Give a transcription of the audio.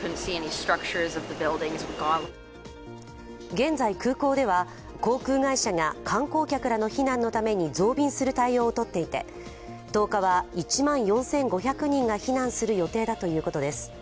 現在空港では航空会社が観光客らの避難のために増便する対応をとっていて、１０日は１万４５００人が避難する予定だということです。